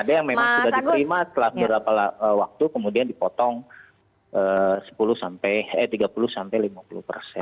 ada yang memang sudah diterima setelah beberapa waktu kemudian dipotong sepuluh sampai eh tiga puluh sampai lima puluh persen